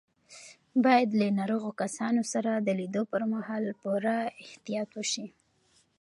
باید له ناروغو کسانو سره د لیدو پر مهال پوره احتیاط وشي.